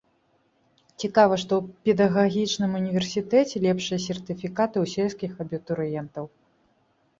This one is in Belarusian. Цікава, што ў педагагічным універсітэце лепшыя сертыфікаты ў сельскіх абітурыентаў.